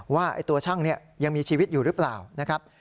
ว่าตัวช่างนี้ยังมีชีวิตอยู่หรือเปล่านะครับ